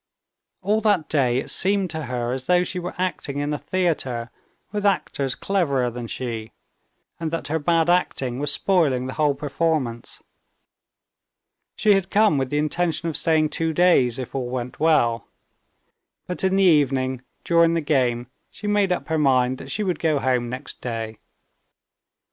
All that day it seemed to her as though she were acting in a theater with actors cleverer than she, and that her bad acting was spoiling the whole performance. She had come with the intention of staying two days, if all went well. But in the evening, during the game, she made up her mind that she would go home next day.